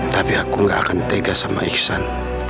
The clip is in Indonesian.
tapi aku gak akan tega sama iksan